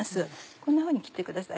こんなふうに切ってください。